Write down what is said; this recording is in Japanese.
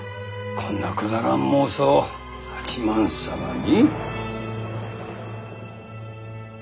こんなくだらん妄想を八幡様に？